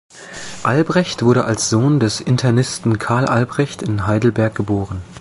Albrecht wurde als Sohn des Internisten Carl Albrecht in Heidelberg geboren.